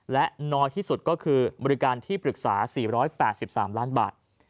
และน้อยที่สุดก็คือบริการที่ปรึกษา๔๘๓ล้านบาท